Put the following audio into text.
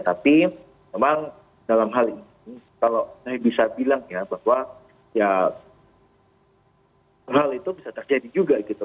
tapi memang dalam hal ini kalau saya bisa bilang ya bahwa ya hal itu bisa terjadi juga gitu